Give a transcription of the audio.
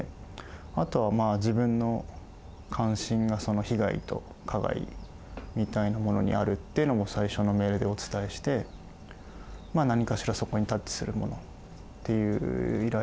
あとはまあ自分の関心が被害と加害みたいなものにあるっていうのも最初のメールでお伝えして何かしらそこにタッチするものっていう依頼でしたね。